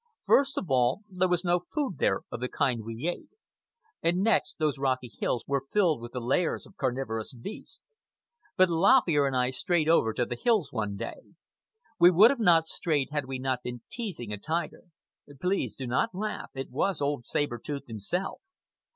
First of all, there was no food there of the kind we ate; and next, those rocky hills were filled with the lairs of carnivorous beasts. But Lop Ear and I strayed over to the hills one day. We would not have strayed had we not been teasing a tiger. Please do not laugh. It was old Saber Tooth himself.